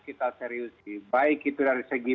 kita seriusi baik itu dari segi